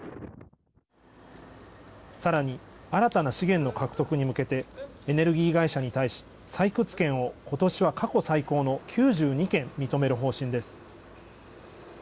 さらに新たな資源の獲得に向けてエネルギー会社に対し採掘権を今年は過去最高の９２件認める方針です。